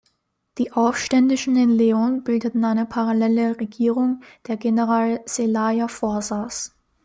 Die Aufständischen in Leon bildeten eine parallele Regierung, der General Zelaya vorsaß.